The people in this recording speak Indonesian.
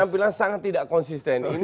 penampilan sangat tidak konsisten